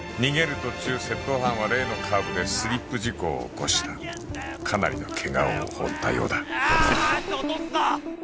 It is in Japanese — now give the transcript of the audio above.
途中窃盗犯は例のカーブでスリップ事故を起こしたかなりのケガを負ったようだ燃やして落とすぞ！